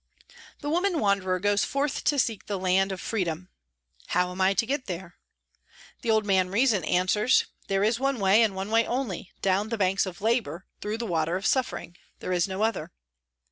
The woman wanderer goes forth to seek the Land of Freedom ...".' How am 1 to get there ?' The old man, Reason, answers, ' There is one way and one only. Down the banks of Labour, through the water of suffering. There is no other.'